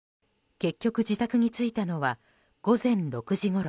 結局、自宅に着いたのは午前６時ごろ。